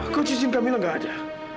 kok cincin kamila enggak ada